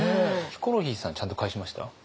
ヒコロヒーさんちゃんと返しました？